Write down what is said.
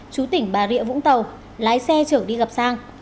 chú tỉnh bà rịa vũng tàu lái xe chở đi gặp sang